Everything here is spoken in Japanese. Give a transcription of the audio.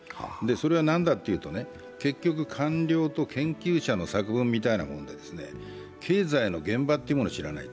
それは何だというと、官僚の研究者の作文みたいなもので経済の現場っていうものを知らない。